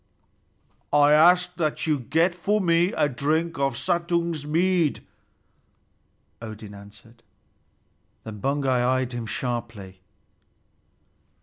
"I ask that you get for me a drink of Suttung's mead," Odin answered. Then Baugi eyed him sharply.